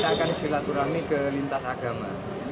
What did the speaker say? saya akan silaturahmi ke lintas agama